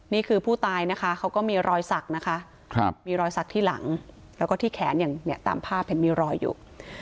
นี่คือผู้ตายนะคะเขาก็มีรอยสักนะคะมีรอยสักที่หลังแล้วก็ที่แขนอย่างเนี่ยตามภาพเห็นมีรอยอยู่